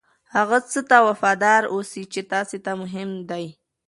هغه څه ته وفادار اوسئ چې تاسې ته مهم دي.